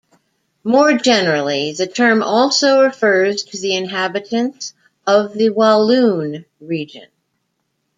More generally, the term also refers to the inhabitants of the Walloon Region.